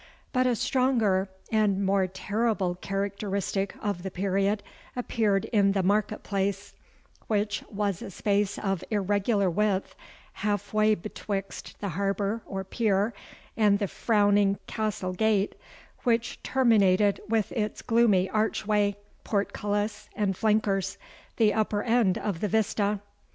But a stronger and more terrible characteristic of the period appeared in the market place, which was a space of irregular width, half way betwixt the harbour, or pier, and the frowning castle gate, which terminated with its gloomy archway, portcullis, and flankers, the upper end of the vista.